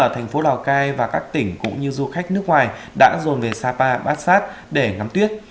ở thành phố lào cai và các tỉnh cũng như du khách nước ngoài đã dồn về sapa bát sát để ngắm tuyết